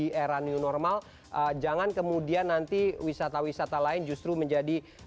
yang menjadikan yang menjadikan role model wisata baru di era new normal jangan kemudian nanti wisata wisata lain justru menjadi